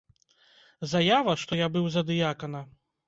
Заява, што я быў за дыякана?